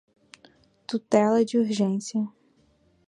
tutela de urgência